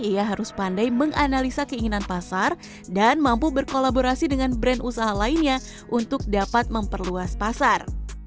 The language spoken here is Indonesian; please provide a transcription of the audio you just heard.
ia harus pandai menganalisa keinginan pasar dan mampu berkolaborasi dengan brand usaha lainnya untuk dapat memperluas pasar